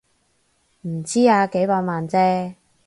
唔知啊，幾百萬啫